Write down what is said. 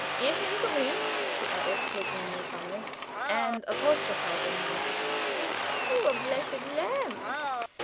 "Give him to me," she added, taking him from me, and apostrophizing him. "You poor, blessed lamb!